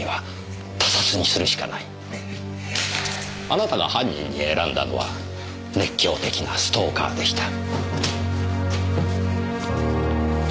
あなたが犯人に選んだのは熱狂的なストーカーでした。